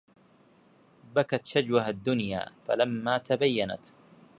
بكت شجوها الدنيا فلما تبينت